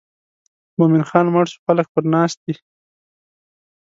مومن خان مړ شو خلک پر ناست دي.